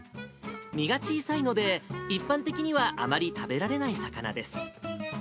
身が小さいので、一般的にはあまり食べられない魚です。